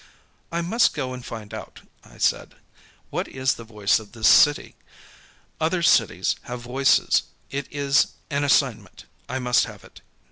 "I must go and find out," I said, "what is the Voice of this City. Other cities have voices. It is an assignment. I must have it.